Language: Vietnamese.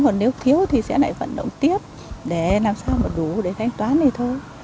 còn nếu thiếu thì sẽ lại vận động tiếp để làm sao mà đủ để thanh toán này thôi